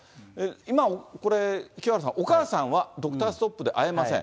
今これ、清原さん、お母さんはドクターストップで会えません。